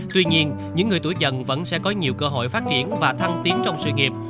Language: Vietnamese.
tuy nhiên những người tuổi trần vẫn sẽ có nhiều cơ hội phát triển và thăng tiến trong sự nghiệp